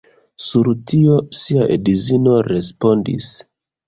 Sur tio, sia edzino respondis.